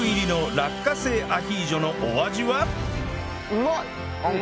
うまい！